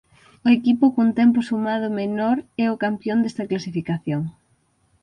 O equipo cun tempo sumado menor é o campión desta clasificación.